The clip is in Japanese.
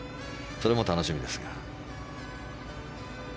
それも楽しみです。